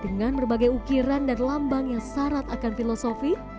dengan berbagai ukiran dan lambang yang syarat akan filosofi